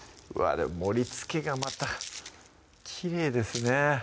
でも盛りつけがまたきれいですね